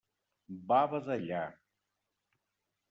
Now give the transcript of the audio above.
Va badallar.